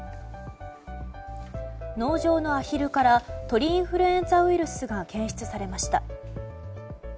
農場のアヒルから鳥インフルエンザウイルスが検出されました。